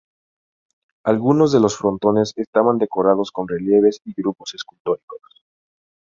Algunos de los frontones estaban decorados con relieves y grupos escultóricos.